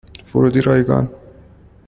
ورودی رایگان